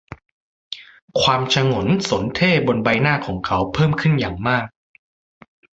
ความฉงนสนเท่ห์บนใบหน้าของเขาเพิ่มขึ้นอย่างมาก